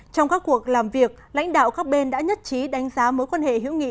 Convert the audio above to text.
trong các cuộc làm việc lãnh đạo các bên đã nhất trí đánh giá mối quan hệ hữu nghị